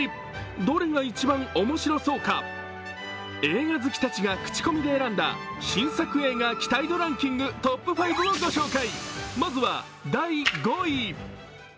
どれが一番おもしろそうか、映画好きたちが口コミで選んだ新作映画期待度ランキングトップ５をご紹介。